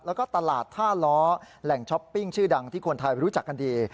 แล้วก็ตลาดท่าล้อแหล่งช้อปปิ้งชื่อดังที่คนไทยรู้จักกันดี